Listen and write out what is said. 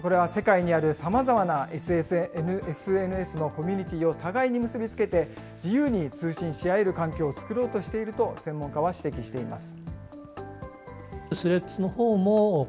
これは世界にあるさまざまなＳＮＳのコミュニティーを互いに結び付けて、自由に通信し合える環境を作ろうとしていると専門家は指摘しています。